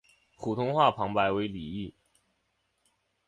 普通话旁白为李易。